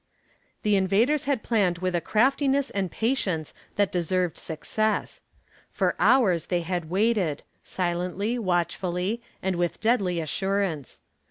The invaders had planned with a craftiness and patience that deserved success. For hours they had waited, silently, watchfully, and with deadly assurance.